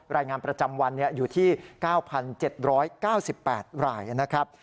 รายงานประจำวันอยู่ที่๙๗๙๘รายนะครับ